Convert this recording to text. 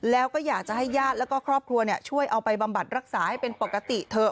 แล้วก็อยากจะให้ญาติแล้วก็ครอบครัวช่วยเอาไปบำบัดรักษาให้เป็นปกติเถอะ